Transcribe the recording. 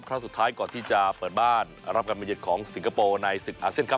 ครั้งสุดท้ายก่อนที่จะเปิดบ้านรับการมาเย็นของสิงคโปร์ในศึกอาเซียนครับ